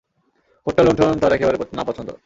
হত্যা-লুণ্ঠন তার একেবারে না পছন্দ।